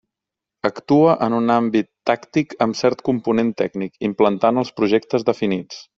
Actua en un àmbit tàctic amb cert component tècnic, implantant els projectes definits.